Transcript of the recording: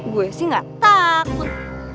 gue sih gak takut